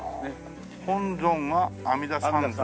本尊が阿弥陀三尊？